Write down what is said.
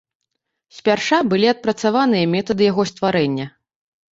Спярша былі адпрацаваныя метады яго стварэння.